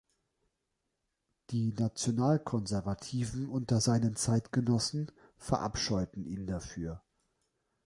Die National-Konservativen unter seinen Zeitgenossen verabscheuten ihn dafür.